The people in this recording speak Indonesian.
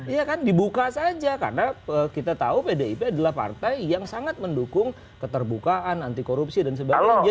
iya kan dibuka saja karena kita tahu pdip adalah partai yang sangat mendukung keterbukaan anti korupsi dan sebagainya